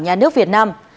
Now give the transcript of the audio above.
nhà nước việt nam